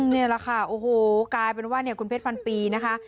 นี่แหละค่ะโอ้โหกลายเป็นว่าเนี่ยคุณเพชรพันปีนะคะ